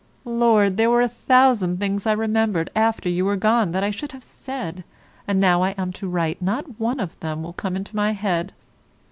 Lord, there were a thousand things I remembered after you were gone that I should have said, and now I am to write not one of them will come into my head.